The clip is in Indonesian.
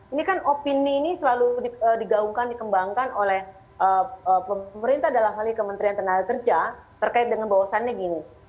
ini kan opini ini selalu digaungkan dikembangkan oleh pemerintah dalam hal kementerian tenaga kerja terkait dengan bahwasannya gini